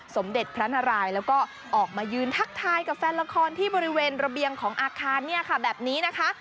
สมเด็จพระนารายแล้วก็ออกมายืนทักทายกับแฟนละครที่บริเวณระเบียงของอาคารเนี่ยค่ะแบบนี้นะคะ